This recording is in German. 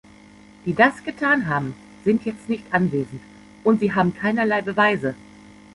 Die das getan haben, sind jetzt nicht anwesend, und sie haben keinerlei Beweise.